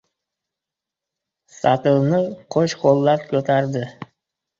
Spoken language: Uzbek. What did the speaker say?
Satilni qo‘shqo‘llab ko‘tardi.